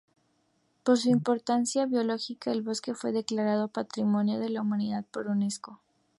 Por su importancia biológica, el bosque fue declarado Patrimonio de la Humanidad por Unesco.